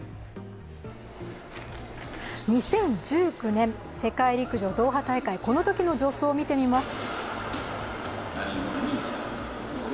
２０１９年、世界陸上ドーハ大会、このときの助走を見てみます。